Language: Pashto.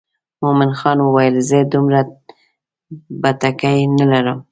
مومن خان وویل زه دومره بتکۍ نه لرم.